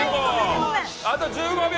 あと１５秒。